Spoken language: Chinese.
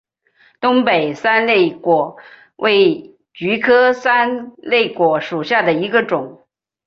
东北三肋果为菊科三肋果属下的一个种。